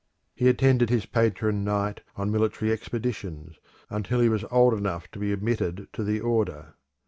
He attended his patron knight on military expeditions, until he was old enough to be admitted to the order.